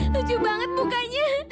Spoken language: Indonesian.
lucu banget mukanya